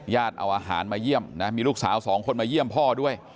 เอาอาหารมาเยี่ยมนะมีลูกสาวสองคนมาเยี่ยมพ่อด้วย